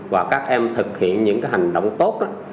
và các em thực hiện những hành động tốt